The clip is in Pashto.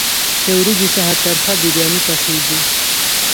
له وریجو څخه ترخه بریاني پخیږي.